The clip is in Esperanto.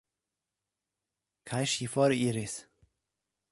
Kaj ŝi foriris.